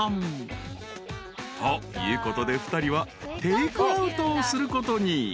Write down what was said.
［ということで２人はテークアウトをすることに］